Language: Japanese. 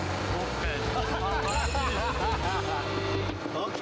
ＯＫ。